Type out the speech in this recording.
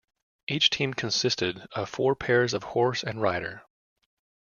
Each team consisted of four pairs of horse and rider.